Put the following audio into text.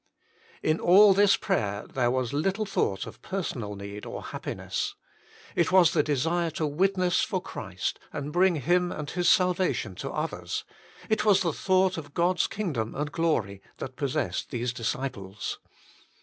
In all this prayer there was little thought of personal need or happiness. It was the desire to witness for Christ and bring Him and His salvation to others, it was the thought of God s kingdom and glory, that possessed these disciples.